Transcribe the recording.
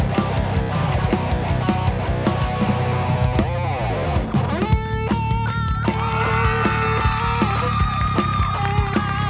กีต้าร็อกเกอร์